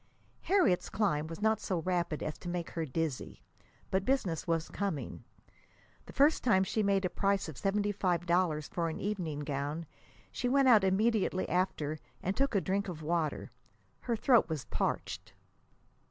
Harriet's climbing was not so rapid as to make her dizzy; but business was coming. The first time she made a price of seventy five dollars for an evening gown, she went out immediately after and took a drink of water. Her throat was parched.